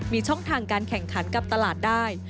มีช่องทางการแข่งขันกับตลาดได้